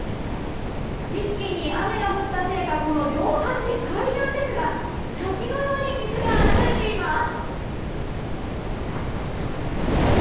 一気に雨が降ったせいかこの両端、階段ですが滝のように水が流れています。